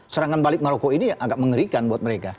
serangan balik maroko ini agak mengerikan buat mereka